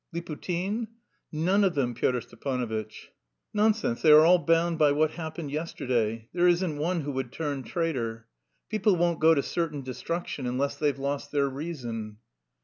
"Liputin?" "None of them, Pyotr Stepanovitch." "Nonsense! they are all bound by what happened yesterday. There isn't one who would turn traitor. People won't go to certain destruction unless they've lost their reason."